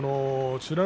美ノ